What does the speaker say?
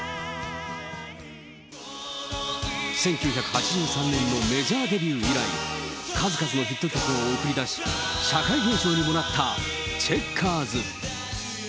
１９８３年のメジャーデビュー以来、数々のヒット曲を送り出し、社会現象にもなったチェッカーズ。